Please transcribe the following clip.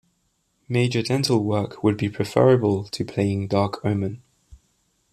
Major dental work would be preferable to playing "Dark Omen".